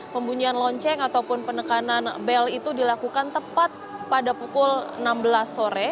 pembunyian lonceng ataupun penekanan bel itu dilakukan tepat pada pukul enam belas sore